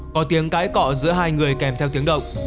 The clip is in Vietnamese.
có tiếng cãi cọ giữa hai người kèm theo tiếng động